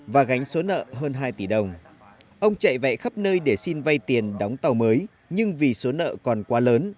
và gánh số nợ hơn hai tỷ đồng ông chạy vẩy khắp nơi để xin vay tiền đóng tàu mới nhưng vì số nợ còn quá lớn